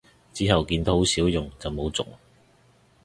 之後見都好少用就冇續